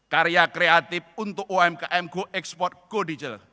karya kreatif untuk umkm go export go digital